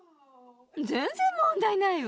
全然問題ないわ。